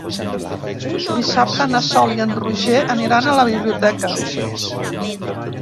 Dissabte na Sol i en Roger aniran a la biblioteca.